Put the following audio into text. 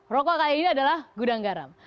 rokok kayak ini adalah gudang garam